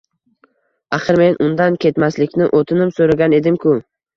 Axir men undan ketmaslikni o`tinib so`ragan edim-ku